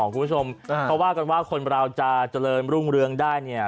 คุณผู้ชมเขาว่ากันว่าคนเราจะเจริญรุ่งเรืองได้เนี่ย